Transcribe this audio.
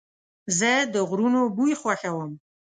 زه د غرونو بوی خوښوم.